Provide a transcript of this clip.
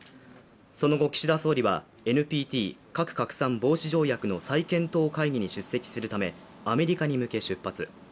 その後、岸田総理はＮＰＴ＝核拡散防止条約の再検討会議に出席するためアメリカに向け出発。